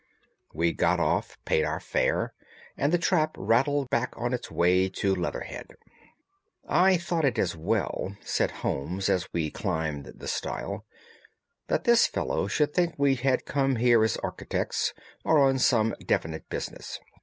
We got off, paid our fare, and the trap rattled back on its way to Leatherhead. "I thought it as well," said Holmes as we climbed the stile, "that this fellow should think we had come here as architects, or on some definite business.